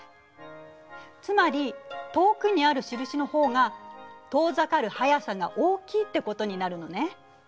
つまり遠くにある印の方が遠ざかる速さが大きいってことになるのね。